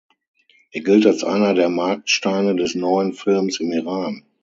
Er gilt als einer der Marksteine des "Neuen Films" im Iran.